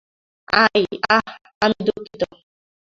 আহ, আমি দুঃখিত।